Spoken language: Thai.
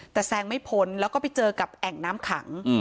แต่แซงไม่พ้นแล้วก็ไปเจอกับแอ่งน้ำขัง